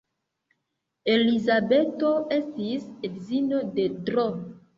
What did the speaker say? Elizabeto estis edzino de Dro.